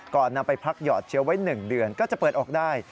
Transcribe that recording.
นำไปพักหยอดเชื้อไว้๑เดือนก็จะเปิดออกได้